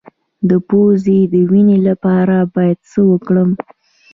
د پوزې د وینې لپاره باید څه وکړم؟